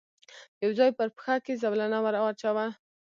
يو ځای پر پښه کې زولنه ور واچاوه.